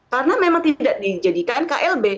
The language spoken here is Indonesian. karena memang tidak dijadikan klb